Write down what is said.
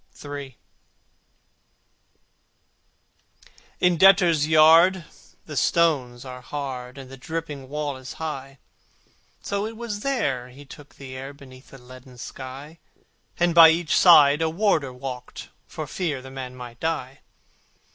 III In Debtors' Yard the stones are hard, And the dripping wall is high, So it was there he took the air Beneath the leaden sky, And by each side a warder walked, For fear the man might die.